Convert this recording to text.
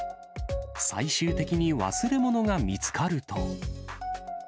最終的に忘れ物が見つかると。